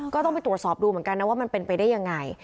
ก็ต้องไปตรวจสอบดูเหมือนกันนะว่ามันเป็นไปได้ยังไง